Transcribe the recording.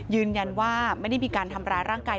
ยืนยันว่าไม่ได้มีการทำร้ายร่างกาย